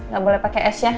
gak boleh pakai es ya